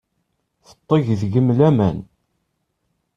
Tetteg deg-m laman.